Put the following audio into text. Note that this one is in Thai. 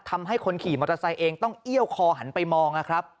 ทำให้คนขี่มอเตอร์ไซค์เองต้องเอี้ยวคอหันไปมองนะครับ